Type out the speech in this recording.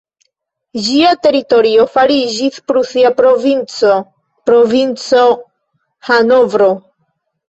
Ĝia teritorio fariĝis prusia provinco, "provinco Hanovro".